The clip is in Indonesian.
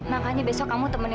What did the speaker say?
emang apa ihmat kamu berdua